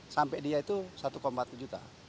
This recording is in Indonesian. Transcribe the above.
sampai dia itu satu empat juta